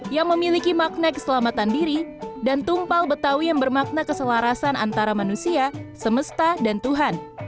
yang memiliki makna keselamatan diri dan tumpal betawi yang bermakna keselarasan antara manusia semesta dan tuhan